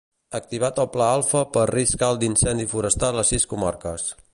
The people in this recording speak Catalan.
Activat el Pla Alfa per risc alt d'incendi forestal a sis comarques.